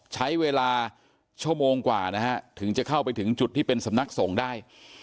ใช้เวลาชั่วโมงกว่านะฮะถึงจะเข้าไปถึงจุดที่เป็นสำนักสงฆ์ได้